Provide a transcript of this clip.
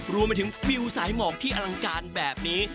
รวมไปถึงวิวสายหมอกที่อลังการแบบนี้